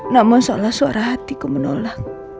namun seolah suara hatiku menolak